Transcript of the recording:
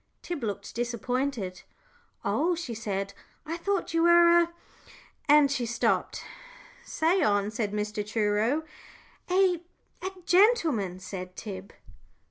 Tib looked disappointed. "Oh," she said, "I thought you were a " and she stopped. "Say on," said Mr. Truro. "A a gentleman," said Tib.